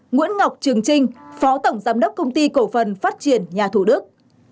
nguyễn ngọc trường trinh phó tổng giám đốc công ty cổ phần phát triển nhà thủ đức